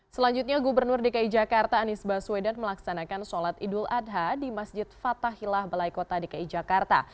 selanjutnya gubernur dki jakarta anies baswedan melaksanakan sholat idul adha di masjid fatahilah balai kota dki jakarta